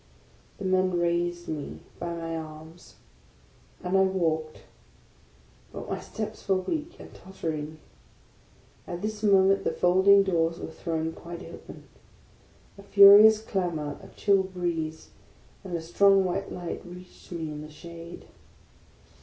The men raised me by my arms; and I walked, but fsy steps were weak and tottering. At this moment the folding doors were thrown open. A furious clamour, a chill breeze, and a strong white light reached me in the shade.